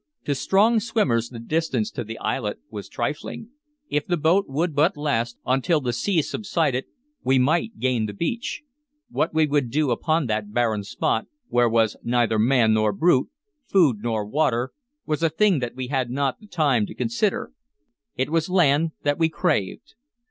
To strong swimmers the distance to the islet was trifling; if the boat would but last until the sea subsided, we might gain the beach. What we would do upon that barren spot, where was neither man nor brute, food nor water, was a thing that we had not the time to consider. It was land that we craved.